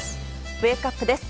ウェークアップです。